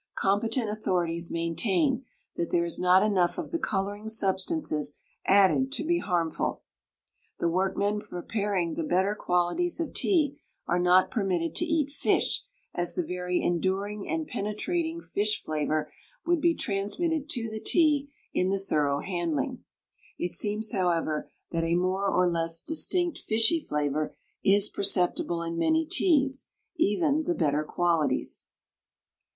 Competent authorities maintain that there is not enough of the coloring substances added to be harmful. The workmen preparing the better qualities of tea are not permitted to eat fish, as the very enduring and penetrating fish flavor would be transmitted to the tea in the thorough handling. It seems, however, that a more or less distinct fishy flavor is perceptible in many teas, even the better qualities.